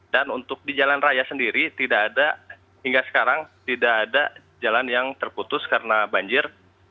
untuk di jalan raya sendiri tidak ada hingga sekarang tidak ada jalan yang terputus karena banjir